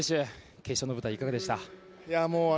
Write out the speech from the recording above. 決勝の舞台、いかがでした？